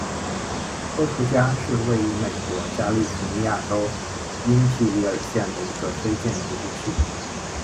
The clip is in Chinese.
托图加是位于美国加利福尼亚州因皮里尔县的一个非建制地区。